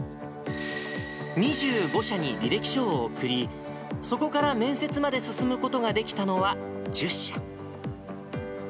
２５社に履歴書を送り、そこから面接まで進むことができたのは１０社。